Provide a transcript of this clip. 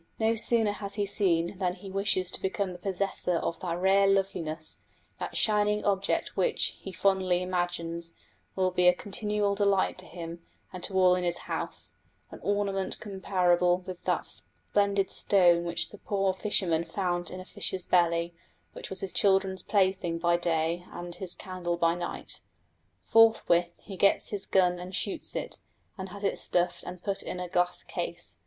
No sooner has he seen than he wishes to become the possessor of that rare loveliness, that shining object which, he fondly imagines, will be a continual delight to him and to all in his house, an ornament comparable to that splendid stone which the poor fisherman found in a fish's belly, which was his children's plaything by day and his candle by night. Forthwith he gets his gun and shoots it, and has it stuffed and put in a glass case.